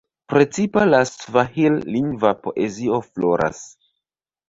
Precipa la svahil-lingva poezio floras.